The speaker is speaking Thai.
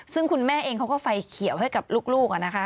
ซึ่งคุณแม่เองเขาก็ไฟเขียวให้กับลูกนะคะ